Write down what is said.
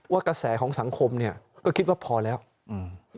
กระแสของสังคมเนี้ยก็คิดว่าพอแล้วอืม